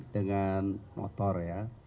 dengan motor ya